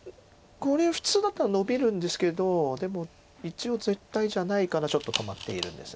これ普通だったらノビるんですけどでも一応絶対じゃないからちょっと止まっているんです。